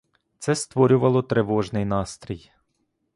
Це створювало тривожний настрій.